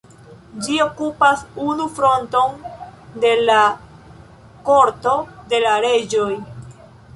Ĝi okupas unu fronton de la Korto de la Reĝoj.